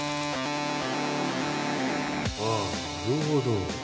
ああなるほど。